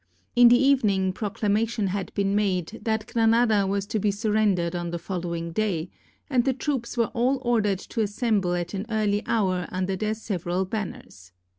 In the evening proc lamation had been made that Granada was to be sur rendered on the following day, and the troops were all ordered to assemble at an early hour under their several banners.